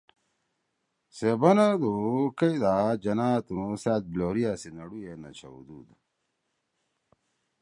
سےبنُودُود کئیدا جناح تنُو سأت بِلوریا سی نڑُوئے نہ چھؤدُود